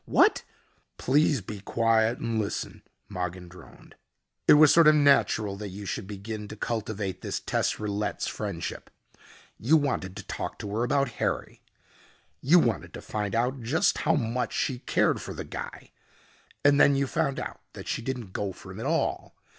What ?" "Please be quiet and listen," Mogin droned. "It was sort of natural that you should begin to cultivate this Tess Rillette's friendship. You wanted to talk to her about Harry. You wanted to find out just how much she cared for the guy. And then you found out that she didn't go for him at all.